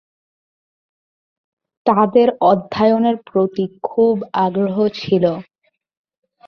তাদের অধ্যয়নের প্রতি খুব আগ্রহ ছিল।